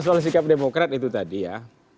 soal sikap demokrat itu tadi ya